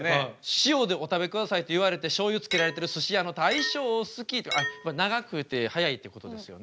塩でお食べくださいって言われてしょうゆつけられてるすし屋の大将好きって長くて速いってことですよね。